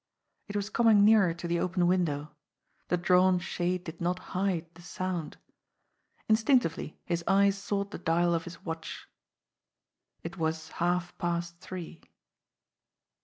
It was coming nearer to the open window the drawn shade did not hide the sound. Instinctively his eyes sought the dial of his watch. It was half past three.